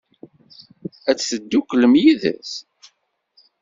Ad tedduklem yid-s?